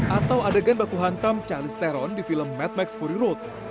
atau adegan baku hantam charles teron di film mat max fury road